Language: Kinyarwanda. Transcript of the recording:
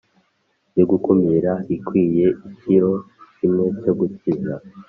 yo gukumira ikwiye ikiro kimwe cyo gukiza